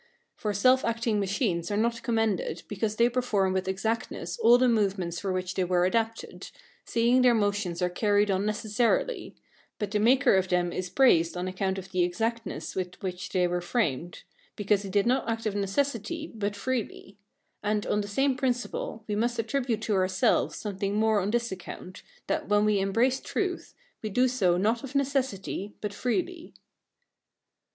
For self acting machines are not commended because they perform with exactness all the movements for which they were adapted, seeing their motions are carried on necessarily; but the maker of them is praised on account of the exactness with which they were framed, because he did not act of necessity, but freely; and, on the same principle, we must attribute to ourselves something more on this account, that when we embrace truth, we do so not of necessity, but freely.